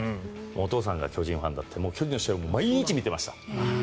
お父さんが巨人ファンで巨人の試合は毎日見てました。